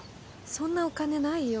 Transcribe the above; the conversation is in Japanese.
そんなお金ないよ。